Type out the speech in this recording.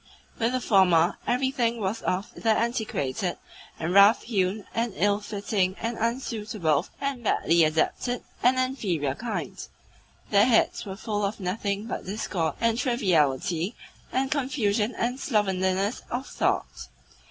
With the former everything was of the antiquated and rough hewn and ill fitting and unsuitable and badly adapted and inferior kind; their heads were full of nothing but discord and triviality and confusion and slovenliness of thought.